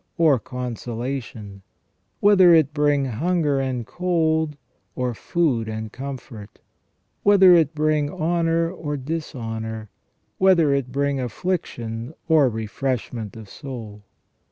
or consolation; whether it bring hunger and cold or food and comfort ; whether it bring honour or dishonour ; whether it bring affliction or refreshment of soul.